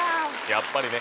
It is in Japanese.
やっぱりね。